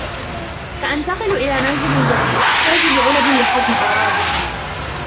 سأنتقل إلى منزل جديد و أحتاج لعلب لحزم أغراضي.